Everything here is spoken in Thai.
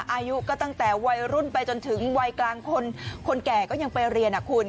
อายุก็ตั้งแต่วัยรุ่นไปจนถึงวัยกลางคนคนแก่ก็ยังไปเรียนคุณ